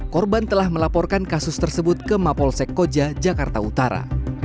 korban telah melaporkan kasus tersebut ke mapolsek koja jakarta utara